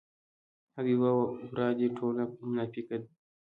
حبیبه ورا دې ټوله مناپیکه ده.